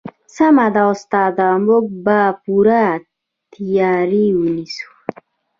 سمه ده استاده موږ به پوره تیاری ونیسو